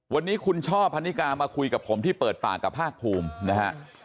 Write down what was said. วันนี้คุณช่อพันนิกามาคุยกับผมที่เปิดปากกับภาคภูมินะฮะ